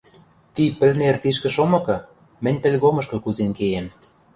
Ти пӹлнер тишкӹ шомыкы, мӹнь пӹлгомышкы кузен кеем...